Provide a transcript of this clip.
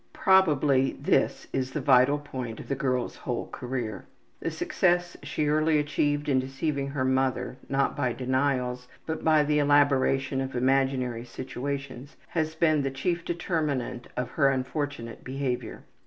Probably this is the vital point of the girl's whole career. The success she early achieved in deceiving her mother, not by denials, but by the elaboration of imaginary situations, has been the chief determinant of her unfortunate behavior.